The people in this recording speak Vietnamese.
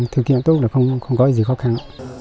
thực hiện tốt là không có gì khó khăn